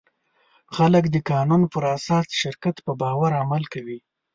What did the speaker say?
خلک د قانون پر اساس د شرکت په باور عمل کوي.